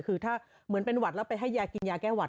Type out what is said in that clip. คือถ้าเหมือนเป็นหวัดแล้วไปให้ยากินยาแก้หวัด